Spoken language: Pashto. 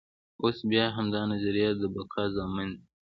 اوس بیا همدا نظریه د بقا ضامن دی.